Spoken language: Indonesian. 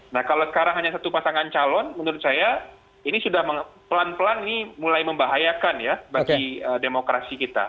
nah kalau sekarang hanya satu pasangan calon menurut saya ini sudah pelan pelan ini mulai membahayakan ya bagi demokrasi kita